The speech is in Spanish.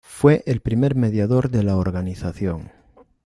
Fue el primer mediador de la organización.